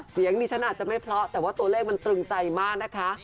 เสียงดิฉันอาจจะไม่เพราะแต่ว่าตัวเลขมันตรึงใจมากนะคะ